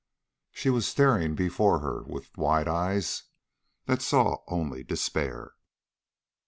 She was staring before her with wide eyes that saw only despair.